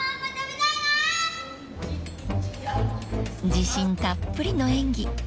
［自信たっぷりの演技］